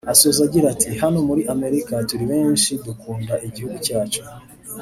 Asoza agira ati “Hano muri Amerika turi benshi dukunda igihugu cyacu